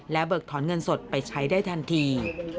เบิกถอนเงินสดไปใช้ได้ทันที